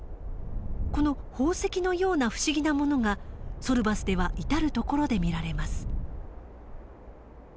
この宝石のような不思議なものがソルバスでは至る所で見られます。